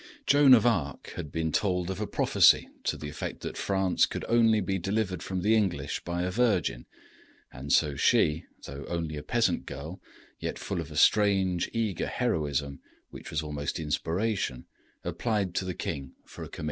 ] Joan of Arc had been told of a prophecy to the effect that France could only be delivered from the English by a virgin, and so she, though only a peasant girl, yet full of a strange, eager heroism which was almost inspiration, applied to the king for a commission.